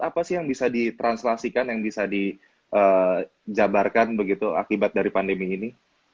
apa sih yang bisa ditranslasikan yang bisa dijabarkan begitu akibat dari pandemi ini